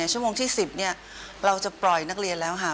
ชั่วโมงที่๑๐เราจะปล่อยนักเรียนแล้วค่ะ